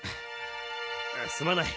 すまない。